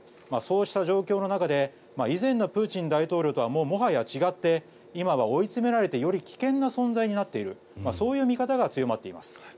そうした状況の中で以前のプーチン大統領とはもはや違って今は追い詰められてより危険な存在になっているそういう見方が強まっています。